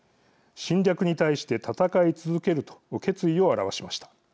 侵略に対して戦い続けると決意を表しました。